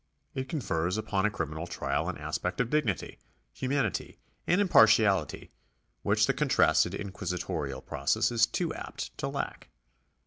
It confers upon a criminal trial an aspect of dignity, humanity, and impartiality, which the contrasted inquisitorial process is too apt to lack.